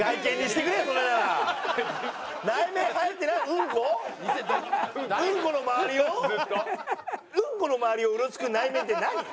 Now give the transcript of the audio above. ウンコの周りをうろつく内面って何？